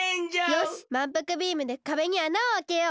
よしまんぷくビームでかべにあなをあけよう！